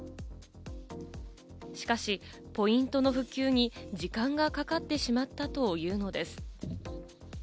しかし、ポイントの復旧に時間がかかってしまったというのです。